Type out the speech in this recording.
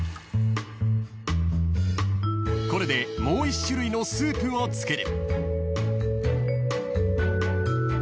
［これでもう１種類のスープを作る］